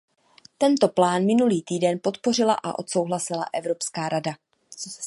Tento plán minulý týden podpořila a odsouhlasila Evropská rada.